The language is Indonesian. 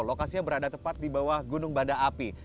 lokasinya berada tepat di bawah gunung banda api